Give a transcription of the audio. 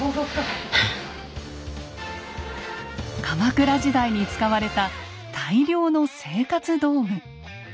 鎌倉時代に使われた大量の生活道具。